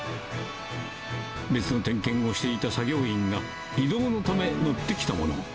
別の点検をしていた作業員が、移動のため乗ってきたもの。